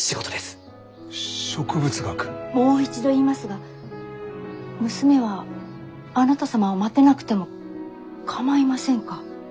もう一度言いますが娘はあなた様を待てなくても構いませんか？